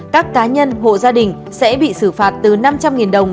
các cá nhân hộ gia đình sẽ bị xử phạt từ năm trăm linh đồng